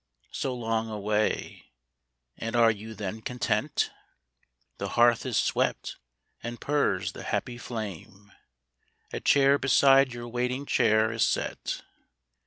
So long away ; and are you then content ? The hearth is swept, and purrs the happy flame A chair beside your waiting chair is set.